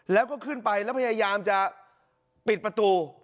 แล้วก็ขึ้นไปแล้วพยายามจะปิดประตู